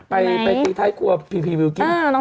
ไปไปใส้กลัวกิ้วกิ้น